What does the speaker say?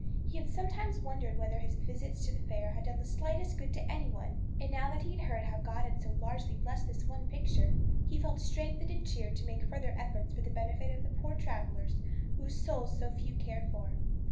He had sometimes wondered whether his visits to the fair had done the slightest good to any one, and now that he heard how God had so largely blessed this one picture, he felt strengthened and cheered to make further efforts for the benefit of the poor travellers whose souls so few care for.